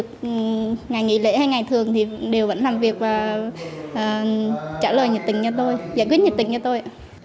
ngày nghỉ lễ hay ngày thường thì đều vẫn làm việc và trả lời nhiệt tình cho tôi giải quyết nhiệt tình cho tôi ạ